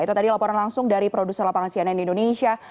itu tadi laporan langsung dari produser lapangan cnn indonesia